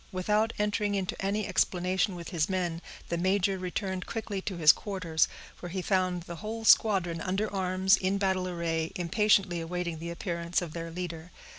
Without entering into any explanation with his men, the major returned quickly to his quarters, where he found the whole squadron under arms, in battle array, impatiently awaiting the appearance of their leader.